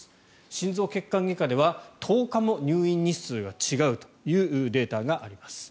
心臓血管外科では１０日も入院日数が違うというデータがあります。